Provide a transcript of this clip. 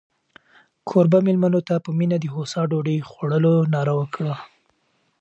کوربه مېلمنو ته په مینه د هوسا ډوډۍ خوړلو ناره وکړه.